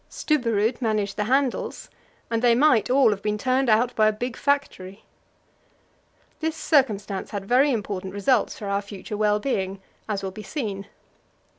Stubberud managed the handles, and they might all have been turned out by a big factory. This circumstance had very important results for our future well being, as will be seen.